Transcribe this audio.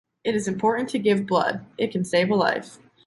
It is important to give blood, it can save a life.